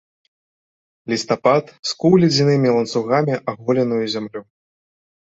Лістапад скуў ледзянымі ланцугамі аголеную зямлю.